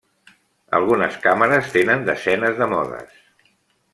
Algunes càmeres tenen desenes de modes.